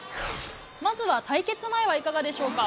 まずは対決前はいかがでしょうか？